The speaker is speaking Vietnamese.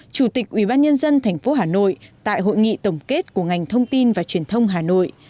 chủ tịch ubnd tp hà nội tại hội nghị tổng kết của ngành thông tin và truyền thông hà nội